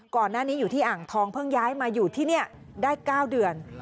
ก่อนหน้านี้อยู่ที่อ่างทองเพิ่งย้ายมาอยู่ที่นี่ได้๙เดือน